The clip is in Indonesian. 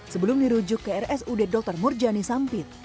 sebelum dirujuk ke rsud dr murjani sampit